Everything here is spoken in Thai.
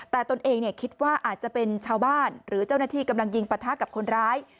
แต่ตนเองคิดว่าอาจจะเป็นชาวบ้านหรือเจ้าหน้าที่กำลังยิงปะทะกับคนร้าย